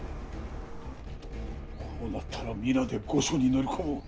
こうなったら皆で御所に乗り込もう。